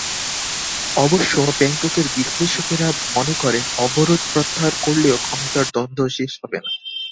অবশ্য ব্যাংককের বিশ্লেষকেরা মনে করেন, অবরোধ প্রত্যাহার করলেও ক্ষমতার দ্বন্দ্ব শেষ হবে না।